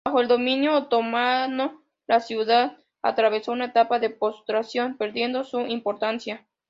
Bajo el dominio otomano la ciudad atravesó una etapa de postración, perdiendo su importancia.